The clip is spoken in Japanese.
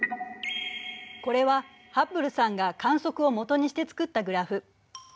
これはハッブルさんが観測を基にして作ったグラフ。